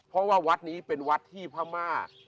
เพราะว่าวัดนี้เป็นวัดที่พม่า